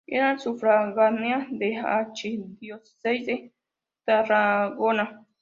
Era sufragánea de la archidiócesis de Tarragona.